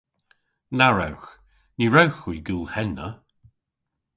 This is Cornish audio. Na wrewgh! Ny wrewgh hwi gul henna.